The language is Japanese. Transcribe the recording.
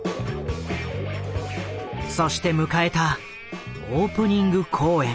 そして迎えたオープニング公演。